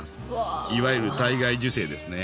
いわゆる体外受精ですね。